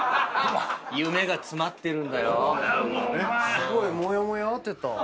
すごいモヤモヤ当てた。